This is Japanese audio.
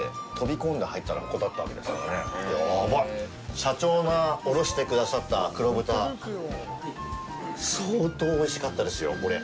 社長が卸してくださった黒豚、相当おいしかったですよ、これ。